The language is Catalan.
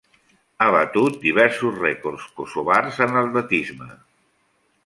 Ha batut diversos rècords kosovars en l'atletisme.